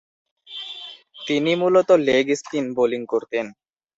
তিনি মূলতঃ leg spin bowling করতেন।